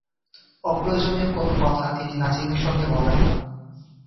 অপ্রয়োজনীয় কোনো কথা তিনি নাজিমের সঙ্গে বলেন না।